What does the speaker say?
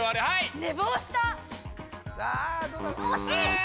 はい！